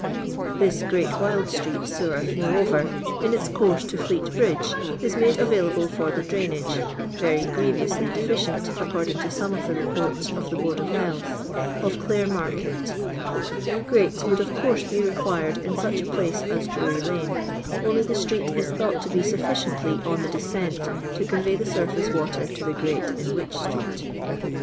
This Great Wyld street ■ewer, moreover^ in its course to Fleet Bridge, is made available for the drainage (very grievously deficient, according to some of the reporu of the Board of Health) of Clare market Grates would of course be required in such a place as Drury lane, only the street is thought to be sufficiently on the descent to convey the surface water to the grate in Wych street.